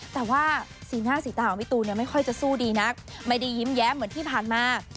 แต่ว่าสีหน้าสีตาของพี่ตูนไม่ค่อยจะสู้ดีนักไม่ได้ยิ้มแย้มเหมือนที่ผ่านมา